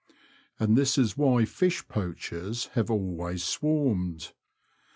And this is why fish poachers have always swarmed.